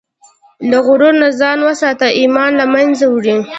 له غرور نه ځان وساته، ایمان له منځه وړي.